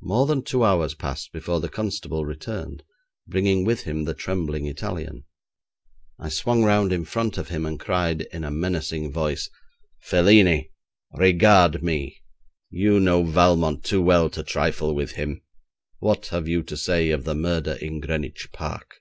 More than two hours passed before the constable returned, bringing with him the trembling Italian. I swung round in front of him, and cried, in a menacing voice: 'Felini! Regard me! You know Valmont too well to trifle with him! What have you to say of the murder in Greenwich Park?'